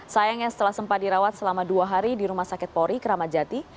sayangnya setelah smpn dirawat selama dua hari di rumah sakit pori keramat jati